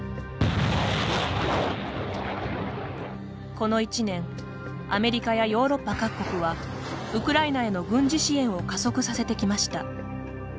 この１年、アメリカやヨーロッパ各国はウクライナへの軍事支援を加速させてきました。